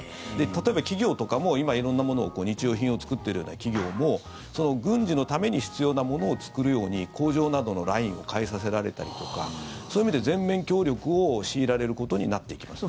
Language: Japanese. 例えば企業とかも今、色んなものを日用品を作っているような企業も軍事のために必要なものを作るように工場などのラインを変えさせられたりとかそういう意味で全面協力を強いられることになっていきます。